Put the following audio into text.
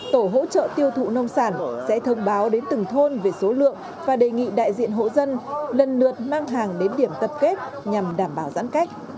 tổ hỗ trợ tiêu thụ nông sản sẽ thông báo đến từng thôn về số lượng và đề nghị đại diện hộ dân lần lượt mang hàng đến điểm tập kết nhằm đảm bảo giãn cách